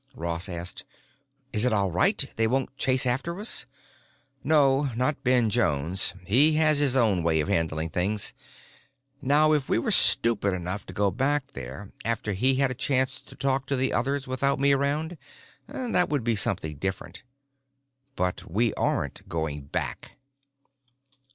Ross asked, "Is it all right? They won't chase after us?" "No, not Ben Jones. He has his own way of handling things. Now if we were stupid enough to go back there, after he had a chance to talk to the others without me around, that would be something different. But we aren't going back."